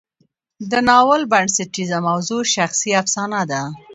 د ناول بنسټیزه موضوع شخصي افسانه ده.